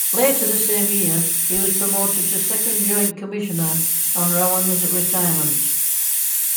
Later the same year, he was promoted to Second Joint Commissioner on Rowan's retirement.